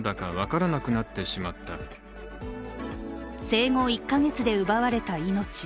生後１カ月で奪われた命。